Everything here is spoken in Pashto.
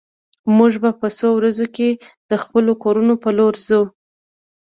موږ به په څو ورځو کې د خپلو کورونو په لور ځو